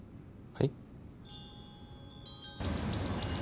はい？